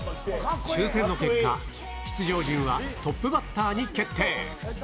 抽せんの結果、出場順はトップバッターに決定。